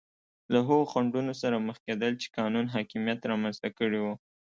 له هغو خنډونو سره مخ کېدل چې قانون حاکمیت رامنځته کړي وو.